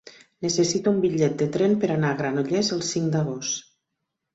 Necessito un bitllet de tren per anar a Granollers el cinc d'agost.